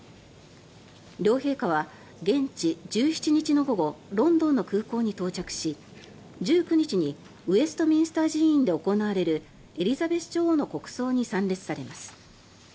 両陛下は現地１７日の午後ロンドンの空港に到着し１９日にウェストミンスター寺院で行われるエリザベス女王の国葬に参列されます。